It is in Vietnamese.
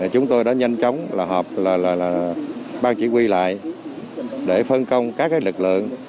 chúng tôi đã nhanh chóng là họp là ban chỉ huy lại để phân công các lực lượng